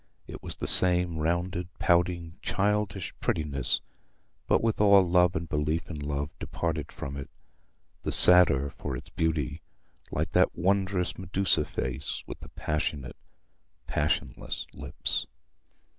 It was the same rounded, pouting, childish prettiness, but with all love and belief in love departed from it—the sadder for its beauty, like that wondrous Medusa face, with the passionate, passionless lips.